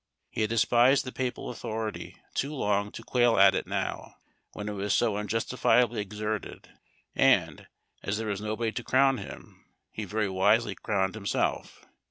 He had despised the papal authority too long to quail at it now, when it was so unjustifiably exerted, and, as there was nobody to crown him, he very wisely crowned himself.